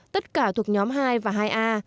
tất cả thuộc nhóm hai và hai a